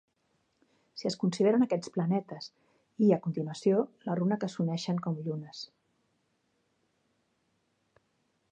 Si es consideren aquests planetes i, a continuació, la runa que s'uneixen com llunes.